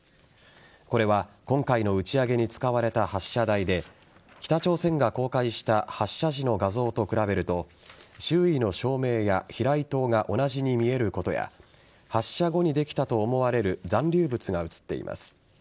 これは今回の打ち上げに使われた発射台で北朝鮮が公開した発射時の画像と比べると周囲の照明や避雷塔が同じに見えることや発射後にできたと思われる残留物が写っています。